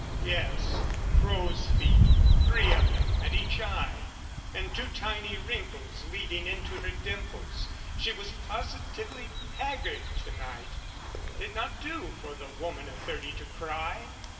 Yes, crow's feet three of them at each eye, and two tiny wrinkles leading into her dimples. She was positively haggard to night. It did not do for the woman of thirty to cry.